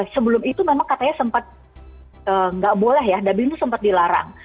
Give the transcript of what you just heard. sebelum itu memang katanya sempat nggak boleh ya dubin itu sempat dilarang